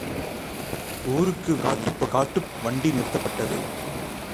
ஊருக்கு வெளியே காட்டுப் பகுதியில் வண்டி நிறுத்தப்பட்டது.